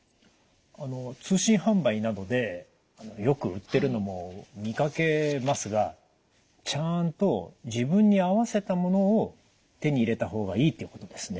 あの通信販売などでよく売ってるのも見かけますがちゃんと自分に合わせたものを手に入れた方がいいっていうことですね。